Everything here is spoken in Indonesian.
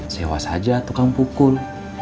sewa saja tukang pukul